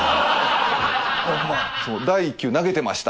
第１球投げてました